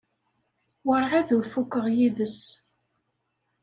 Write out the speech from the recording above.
Werɛad ur fukeɣ yid-s.